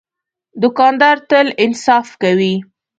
دوکاندار تل انصاف کوي.